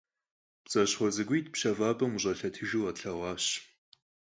ПцӀащхъуэ цӀыкӀуитӏ пщэфӀапӀэм къыщӀэлъэтыжу къэтлъэгъуащ.